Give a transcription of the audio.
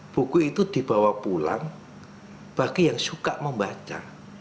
buku itu dibawa pulang bagi yang suka membaca